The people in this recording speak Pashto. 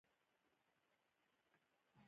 چې په رښتیا وشوه.